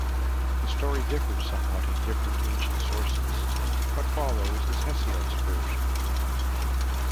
The story differs somewhat in different ancient sources; what follows is Hesiod's version.